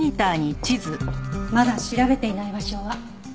まだ調べていない場所は。